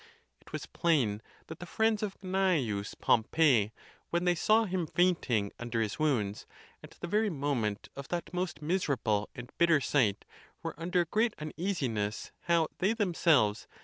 It was plain that the friends of Cnzeus Pompeius, when they saw him fainting under his wounds, at the very moment of that most miserable and bitter sight were under great uneasiness how they themselves